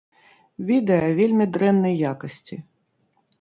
Відэа вельмі дрэннай якасці.